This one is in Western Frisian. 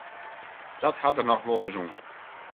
Dat hat der noch wolris oan.